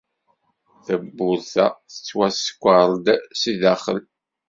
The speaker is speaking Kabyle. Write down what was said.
Tawwurt-a tettwaskeṛ-d seg sdaxel.